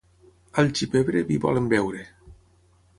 Alls i pebre vi volen beure.